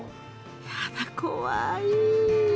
やだ怖い。